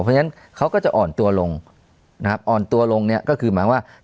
เพราะฉะนั้นเขาก็จะอ่อนตัวลงนะครับอ่อนตัวลงเนี่ยก็คือหมายว่า